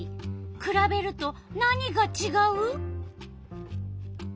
くらべると何がちがう？